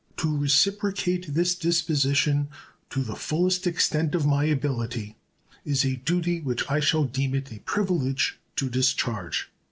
To reciprocate this disposition to the fullest extent of my ability is a duty which I shall deem it a privilege to discharge.